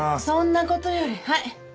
そんな事よりはい。